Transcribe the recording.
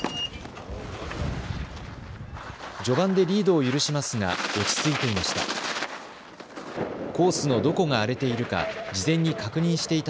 序盤でリードを許しますが落ち着いていました。